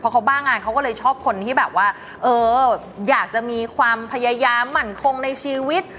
เขาบ้างานเขาก็เลยชอบคนที่แบบว่าเอออยากจะมีความพยายามหมั่นคงในชีวิต